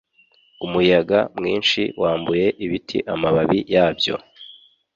Umuyaga mwinshi wambuye ibiti amababi yabyo